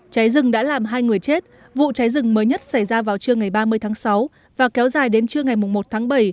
cháy rừng đã làm hai người chết vụ cháy rừng mới nhất xảy ra vào trưa ngày ba mươi tháng sáu và kéo dài đến trưa ngày một tháng bảy